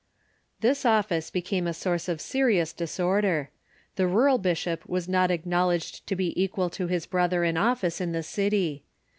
This office became a source of serious disorder. The rural bishop was not acknowledged to be equal to his brother in office in the city.